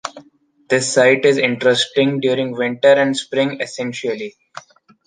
This site is interesting during Winter and Spring essentially.